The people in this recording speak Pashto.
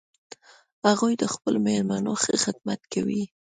هغوی د خپلو میلمنو ښه خدمت کوي